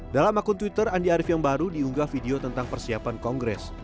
dalam akun twitter andi arief yang baru diunggah video tentang persiapan kongres